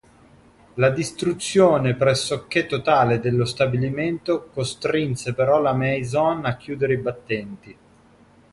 La distruzione pressoché totale dello stabilimento, costrinse però la maison a chiudere i battenti.